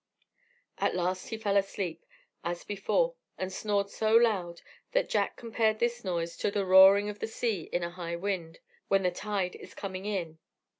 At last he fell asleep as before, and snored so loud, that Jack compared his noise to the roaring of the sea in a high wind, when the tide is coming in.